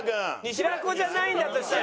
平子じゃないんだとしたら。